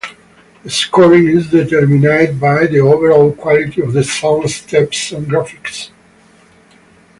The scoring is determined by the overall quality of the song, steps and graphics.